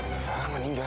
tentu fadli meninggal